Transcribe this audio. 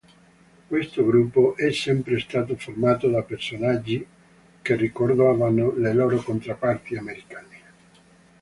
Questo gruppo è sempre stato formato da personaggi che ricordavano le loro controparti americane.